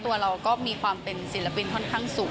ตัวเราก็มีความเป็นศิลปินค่อนข้างสูง